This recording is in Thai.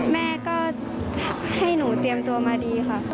แม่ก็จะให้หนูเตรียมตัวมาดีค่ะ